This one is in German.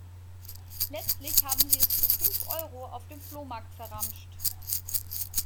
Letztlich haben sie es für fünf Euro auf dem Flohmarkt verramscht.